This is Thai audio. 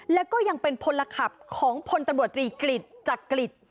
แล้วก็ยังเป็นพลขับของพลตำรวจตรีกฤษจักริต